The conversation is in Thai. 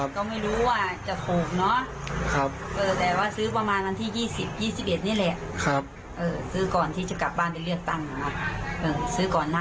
๖๗แต่ตัวหน้าไม่รู้ไม่เห็น